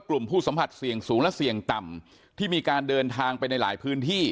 กลุ่มผู้สัมผัสเสี่ยงสูงและเสี่ยงต่ำที่มีการเดินทางไปในหลายพื้นที่